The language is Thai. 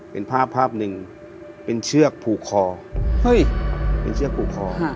เป็นภาพหนึ่งเป็นเชือกผูกคอ